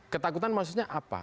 ketakutan maksudnya apa